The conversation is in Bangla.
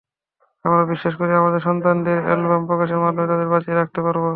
আমরা বিশ্বাস করি, আমাদের সন্তানদের অ্যালবাম প্রকাশের মাধ্যমেই তাদের বাঁচিয়ে রাখতে পারব।